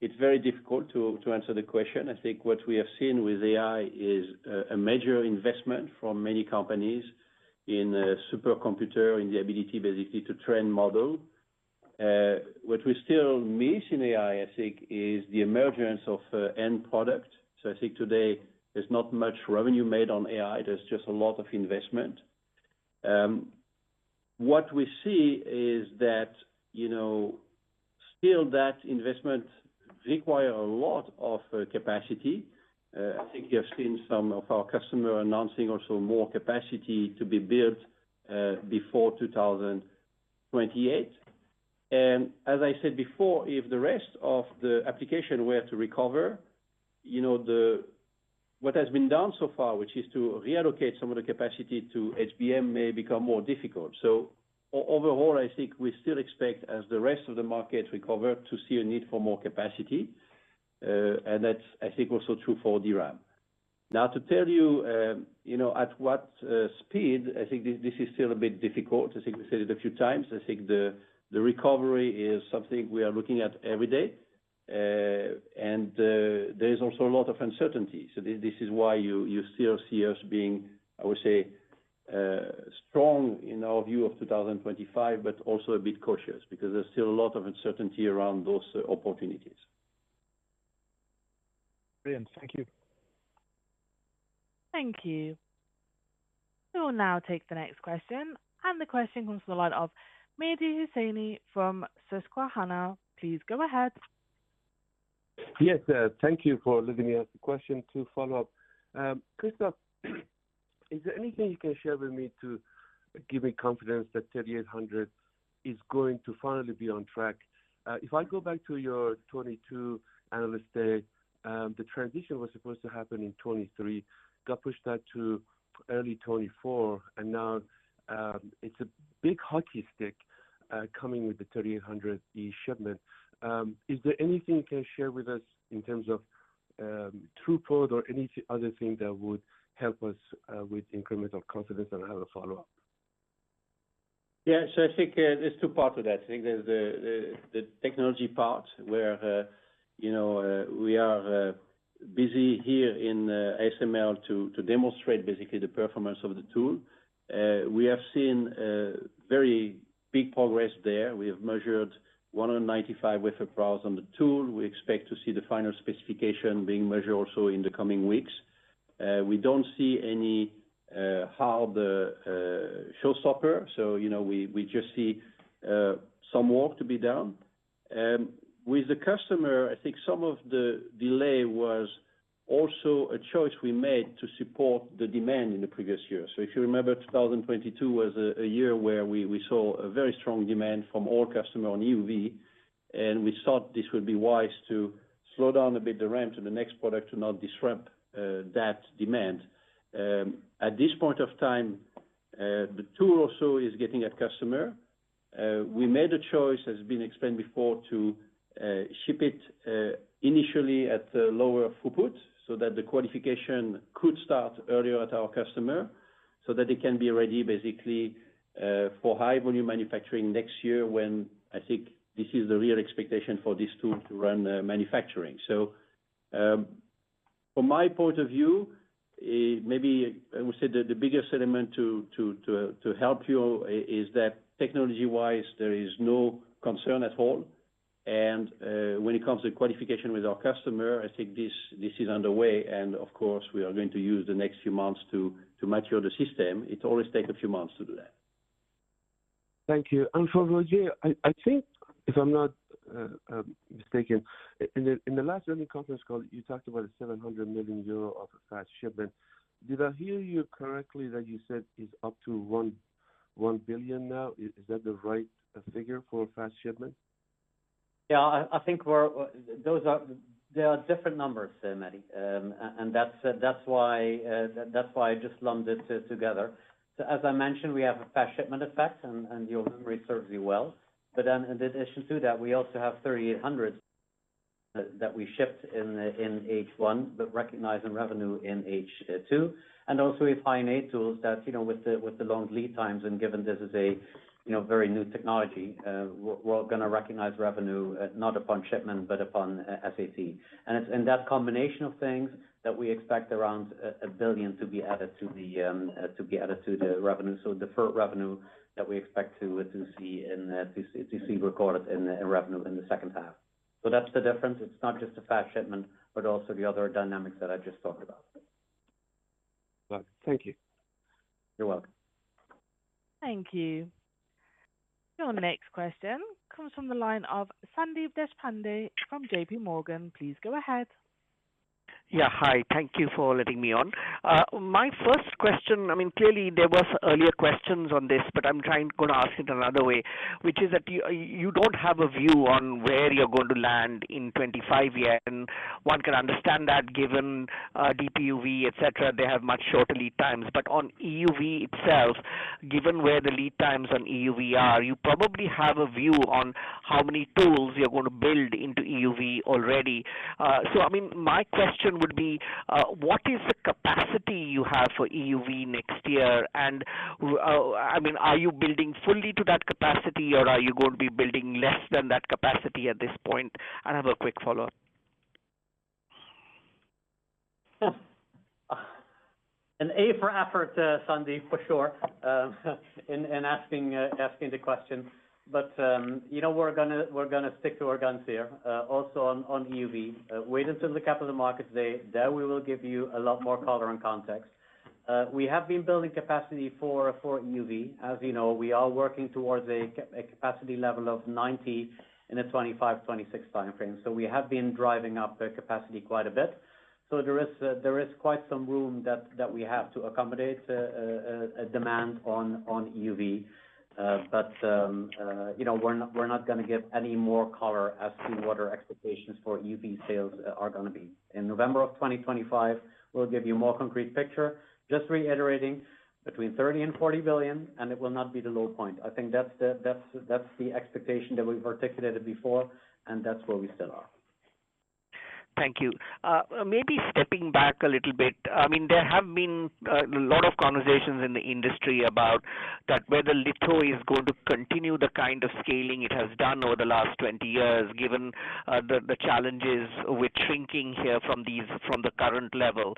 it's very difficult to answer the question. I think what we have seen with AI is a major investment from many companies in supercomputer, in the ability, basically, to train model. What we still miss in AI, I think, is the emergence of an end product. So I think today, there's not much revenue made on AI. There's just a lot of investment. What we see is that, you know, still that investment require a lot of capacity. I think you have seen some of our customer announcing also more capacity to be built before 2028. As I said before, if the rest of the application were to recover, you know, what has been done so far, which is to reallocate some of the capacity to HBM, may become more difficult. Overall, I think we still expect, as the rest of the market recover, to see a need for more capacity, and that's, I think, also true for DRAM. Now, to tell you, you know, at what speed, I think this is still a bit difficult. I think we said it a few times. I think the recovery is something we are looking at every day. And there is also a lot of uncertainty. This is why you still see us being, I would say, strong in our view of 2025, but also a bit cautious, because there's still a lot of uncertainty around those opportunities. Brilliant. Thank you. Thank you. We will now take the next question, and the question comes from the line of Mehdi Hosseini from Susquehanna. Please go ahead. Yes, thank you for letting me ask the question to follow up. Christophe... Is there anything you can share with me to give me confidence that 3800 is going to finally be on track? If I go back to your 2022 analyst day, the transition was supposed to happen in 2023, got pushed out to early 2024, and now, it's a big hockey stick, coming with the NXE:3800E shipment. Is there anything you can share with us in terms of, throughput or any other thing that would help us, with incremental confidence? I have a follow-up. Yeah. So I think, there's two parts to that. I think there's the technology part where, you know, we are busy here in ASML to demonstrate basically the performance of the tool. We have seen very big progress there. We have measured 195 wafer per hour on the tool. We expect to see the final specification being measured also in the coming weeks. We don't see any hard showstopper, so you know, we just see some work to be done. With the customer, I think some of the delay was also a choice we made to support the demand in the previous year. So if you remember, 2022 was a year where we saw a very strong demand from all customers on EUV, and we thought this would be wise to slow down a bit the ramp to the next product to not disrupt that demand. At this point of time, the tool also is getting to customers. We made a choice, as has been explained before, to ship it initially at a lower throughput, so that the qualification could start earlier at our customers, so that they can be ready, basically, for high-volume manufacturing next year, when I think this is the real expectation for this tool to run manufacturing. So, from my point of view, maybe I would say that the biggest element to help you is that technology-wise, there is no concern at all. When it comes to qualification with our customer, I think this is underway, and of course, we are going to use the next few months to mature the system. It always take a few months to do that. Thank you. And for Roger, I think, if I'm not mistaken, in the last earnings conference call, you talked about 700 million euro of fast shipment. Did I hear you correctly, that you said it's up to 1 billion now? Is that the right figure for fast shipment? Yeah, I think we're. Those are different numbers, Mehdi, and that's why I just lumped it together. So as I mentioned, we have a fast shipment effect, and your Memory serves you well. But then in addition to that, we also have NXE:3800E that we shipped in the H1, but recognized in revenue in H2. And also with High-NA tools that, you know, with the long lead times, and given this is a very new technology, we're going to recognize revenue not upon shipment, but upon SAT. And it's that combination of things that we expect around 1 billion to be added to the revenue. So deferred revenue that we expect to see in the—to see recorded in revenue in the second half. So that's the difference. It's not just a fast shipment, but also the other dynamics that I just talked about. Well, thank you. You're welcome. Thank you. Your next question comes from the line of Sandeep Deshpande from JPMorgan. Please go ahead. Yeah, hi. Thank you for letting me on. My first question, I mean, clearly there was earlier questions on this, but I'm gonna ask it another way, which is that you, you don't have a view on where you're going to land in 2025, and one can understand that given DUV, et cetera, they have much shorter lead times. But on EUV itself, given where the lead times on EUV are, you probably have a view on how many tools you're going to build into EUV already. So I mean, my question would be, what is the capacity you have for EUV next year? And, I mean, are you building fully to that capacity, or are you going to be building less than that capacity at this point? I have a quick follow-up. Hmm. An A for effort, Sandeep, for sure, in asking the question. But you know, we're gonna stick to our guns here. Also on EUV, wait until the Capital Markets Day, there we will give you a lot more color and context. We have been building capacity for EUV. As you know, we are working towards a capacity level of 90 in the 2025, 2026 time frame. So we have been driving up the capacity quite a bit. So there is quite some room that we have to accommodate a demand on EUV. But you know, we're not gonna give any more color as to what our expectations for EUV sales are gonna be. In November of 2025, we'll give you more concrete picture. Just reiterating, between 30 billion and 40 billion, and it will not be the low point. I think that's the expectation that we've articulated before, and that's where we still are. Thank you. Maybe stepping back a little bit. I mean, there have been a lot of conversations in the industry about that, whether litho is going to continue the kind of scaling it has done over the last 20 years, given the challenges with shrinking here from these, from the current level.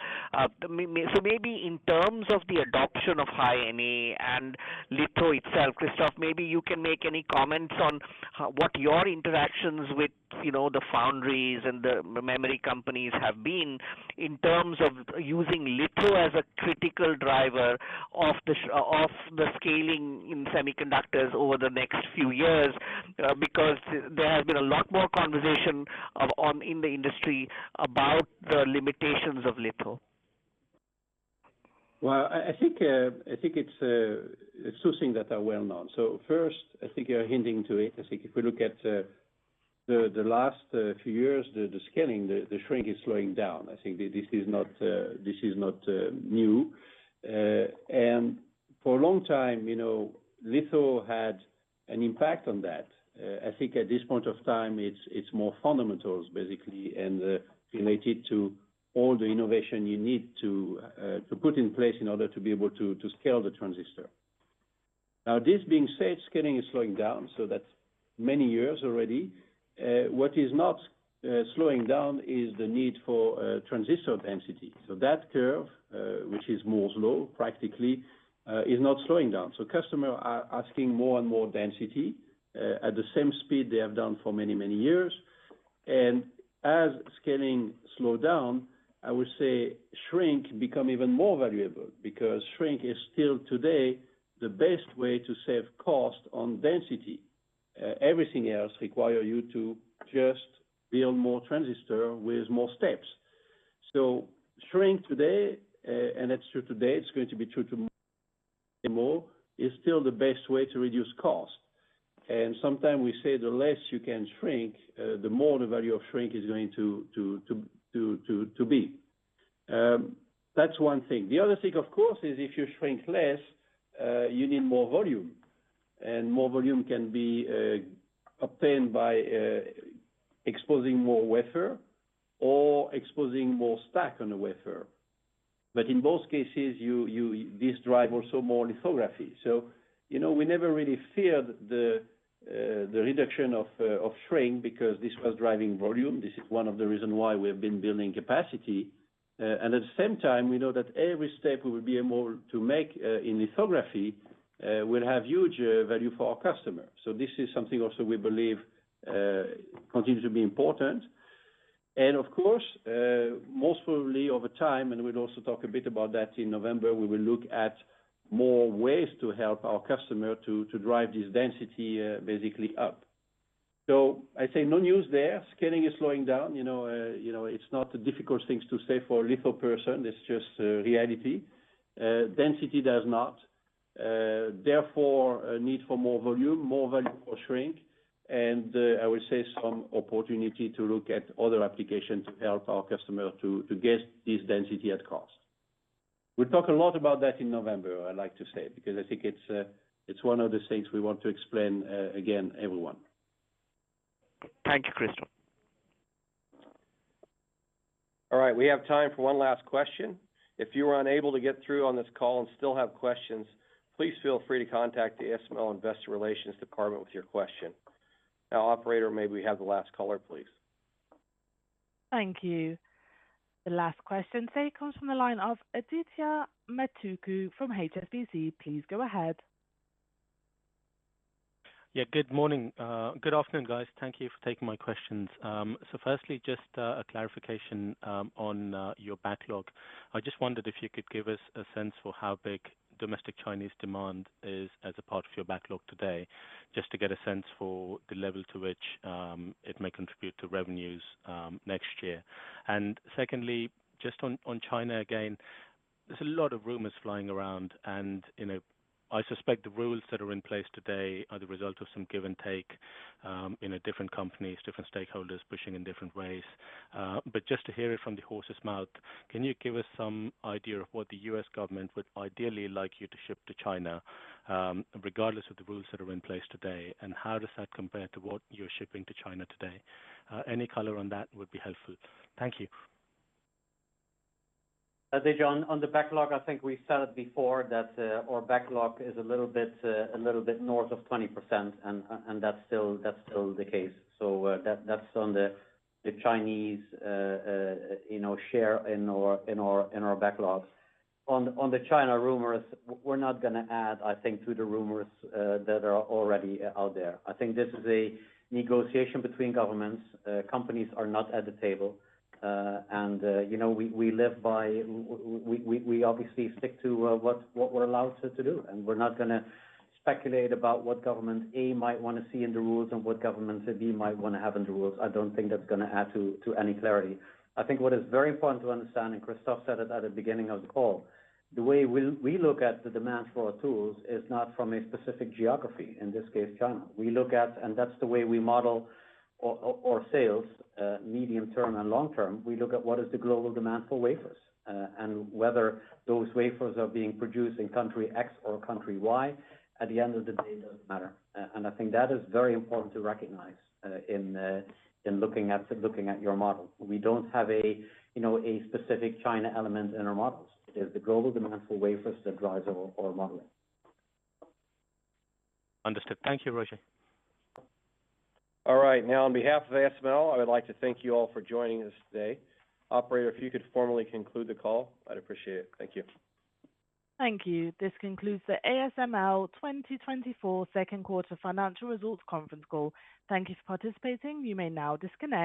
So maybe in terms of the adoption of High-NA and litho itself, Christophe, maybe you can make any comments on what your interactions with, you know, the foundries and the Memory companies have been in terms of using litho as a critical driver of the scaling in semiconductors over the next few years? Because there has been a lot more conversation of, on, in the industry about the limitations of litho. Well, I think it's two things that are well known. So first, I think you're hinting to it. I think if we look at the last few years, the scaling, the shrink is slowing down. I think this is not new. And for a long time, you know, litho had an impact on that. I think at this point of time, it's more fundamentals, basically, and related to all the innovation you need to put in place in order to be able to scale the transistor. Now, this being said, scaling is slowing down, so that's many years already. What is not slowing down is the need for transistor density. So that curve, which is Moore's Law, practically, is not slowing down. Customer are asking more and more density at the same speed they have done for many, many years. As scaling slow down, I would say, shrink become even more valuable because shrink is still today, the best way to save cost on density. Everything else require you to just build more transistor with more steps. Shrink today, and that's true today, it's going to be true tomorrow is still the best way to reduce cost. Sometime we say, the less you can shrink, the more the value of shrink is going to be. That's one thing. The other thing, of course, is if you shrink less, you need more volume, and more volume can be obtained by exposing more wafer or exposing more stack on the wafer. But in both cases, this drive also more lithography. So, you know, we never really feared the reduction of shrink because this was driving volume. This is one of the reasons why we have been building capacity. And at the same time, we know that every step we will be able to make in lithography will have huge value for our customers. So this is something also we believe continues to be important. And of course, most probably over time, and we'll also talk a bit about that in November, we will look at more ways to help our customer to drive this density basically up. So I say no news there. Scaling is slowing down. You know, you know, it's not a difficult things to say for a litho person, it's just reality. Density does not, therefore, a need for more volume, more value for shrink, and I would say some opportunity to look at other applications to help our customer to get this density at cost. We'll talk a lot about that in November, I'd like to say, because I think it's one of the things we want to explain again, everyone. Thank you, Christophe. All right. We have time for one last question. If you were unable to get through on this call and still have questions, please feel free to contact the ASML Investor Relations Department with your question. Now, operator, may we have the last caller, please? Thank you. The last question today comes from the line of Adithya Metuku from HSBC. Please go ahead. Yeah. Good morning. Good afternoon, guys. Thank you for taking my questions. So firstly, just a clarification on your backlog. I just wondered if you could give us a sense for how big domestic Chinese demand is as a part of your backlog today, just to get a sense for the level to which it may contribute to revenues next year. And secondly, just on China, again, there's a lot of rumors flying around, and you know, I suspect the rules that are in place today are the result of some give and take among different companies, different stakeholders pushing in different ways. But just to hear it from the horse's mouth, can you give us some idea of what the U.S. government would ideally like you to ship to China, regardless of the rules that are in place today, and how does that compare to what you're shipping to China today? Any color on that would be helpful. Thank you. Adithya, on the backlog, I think we said it before that, our backlog is a little bit, a little bit north of 20%, and that's still the case. So, that, that's on the Chinese, you know, share in our backlogs. On the China rumors, we're not gonna add, I think, to the rumors that are already out there. I think this is a negotiation between governments. Companies are not at the table. And, you know, we live by... We obviously stick to what we're allowed to do, and we're not gonna speculate about what government A might want to see in the rules and what government B might want to have in the rules. I don't think that's gonna add to any clarity. I think what is very important to understand, and Christophe said it at the beginning of the call, the way we look at the demand for our tools is not from a specific geography, in this case, China. We look at, and that's the way we model our sales, medium term and long term. We look at what is the global demand for wafers, and whether those wafers are being produced in country X or country Y, at the end of the day, it doesn't matter. I think that is very important to recognize, in looking at your model. We don't have a, you know, a specific China element in our models. It is the global demand for wafers that drives our modeling. Understood. Thank you, Roger. All right. Now, on behalf of ASML, I would like to thank you all for joining us today. Operator, if you could formally conclude the call, I'd appreciate it. Thank you. Thank you. This concludes the ASML 2024 second quarter financial results conference call. Thank you for participating. You may now disconnect.